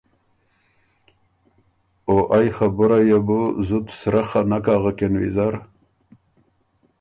او ائ خبُرئ یه بو زُت سرۀ خه نک اغکِن ویزر